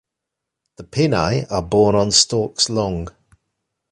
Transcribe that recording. The pinnae are borne on stalks long.